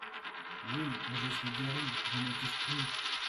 Oui, mais je suis guéri !… je ne tousse plus !…